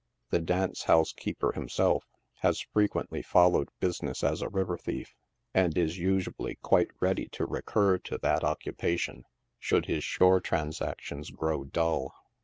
The dance house keeper himself, has frequently followed business as a river thief, and is usually quite ready to recur to that AN ARION BALL." HI occupation should his shore transactions grow dull.